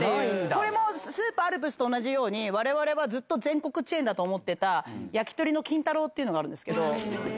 これもスーパーアルプスと同じように、われわれはずっと全国チェーンだと思ってた、やきとりの金太郎っていうのがあるんですけど。